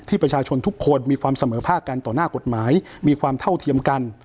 ประชาชนทุกคนมีความเสมอภาคกันต่อหน้ากฎหมายมีความเท่าเทียมกัน